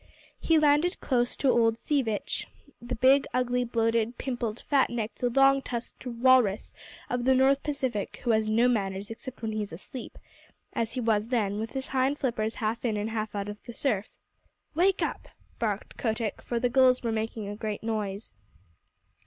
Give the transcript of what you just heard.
He landed close to old Sea Vitch the big, ugly, bloated, pimpled, fat necked, long tusked walrus of the North Pacific, who has no manners except when he is asleep as he was then, with his hind flippers half in and half out of the surf. "Wake up!" barked Kotick, for the gulls were making a great noise.